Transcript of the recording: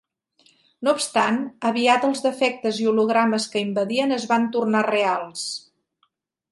No obstant, aviat els defectes i hologrames que invadien es van tornar reals.